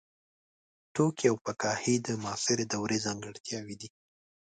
ټوکي او فکاهي د معاصرې دورې ځانګړتیاوې دي.